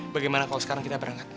bagaimana kalau sekarang kita berangkat